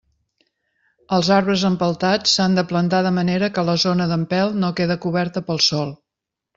Els arbres empeltats s'han de plantar de manera que la zona d'empelt no quede coberta pel sòl.